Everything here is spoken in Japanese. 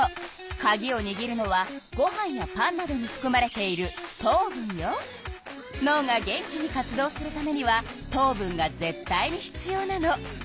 かぎをにぎるのはごはんやパンなどにふくまれているのうが元気に活動するためには糖分がぜっ対に必要なの。